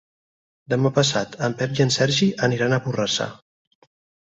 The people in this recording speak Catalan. Demà passat en Pep i en Sergi aniran a Borrassà.